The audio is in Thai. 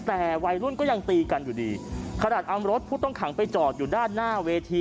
แต่วัยรุ่นก็ยังตีกันอยู่ดีขนาดเอารถผู้ต้องขังไปจอดอยู่ด้านหน้าเวที